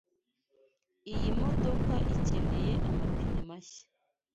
Iyi modoka ikeneye amapine mashya.